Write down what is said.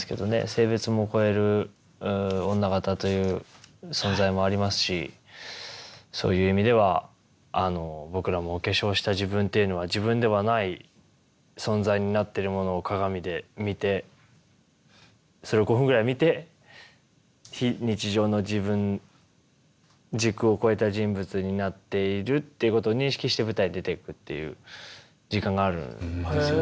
性別も超える女形という存在もありますしそういう意味では僕らもお化粧した自分っていうのは自分ではない存在になってるものを鏡で見てそれを５分ぐらい見て非日常の自分時空を超えた人物になっているっていうことを認識して舞台に出ていくっていう時間があるんですよね。